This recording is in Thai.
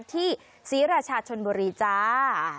ที่ซีรชชนบุรีจ้า